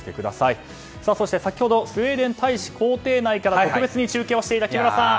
そして、先ほどスウェーデン大使公邸内から特別に中継をしていた木村さん。